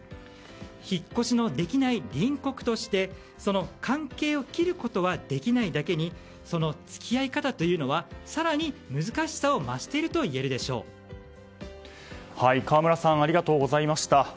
引っ越しのできない隣国としてその関係を切ることはできないだけにその付き合い方というのは更に難しさを増していると河村さんありがとうございました。